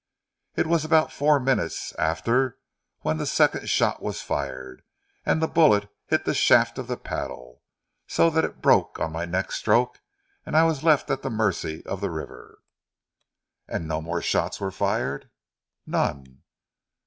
It was about four minutes after when the second shot was fired, and the bullet hit the shaft of the paddle, so that it broke on my next stroke, and I was left at the mercy of the river." "And no more shots were fired?" "None!"